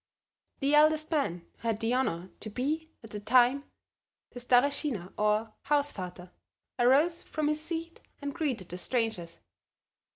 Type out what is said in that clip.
The eldest man, who had the honor to be, at the time, the Stareshina or Hausvater, arose from his seat and greeted the strangers.